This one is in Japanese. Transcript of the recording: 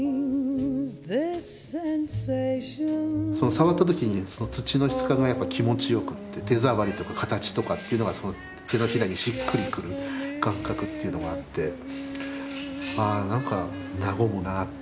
触った時に土の質感がやっぱ気持ちよくて手触りとか形とかっていうのが手のひらにしっくりくる感覚というのがあってあ何か和むなっていう。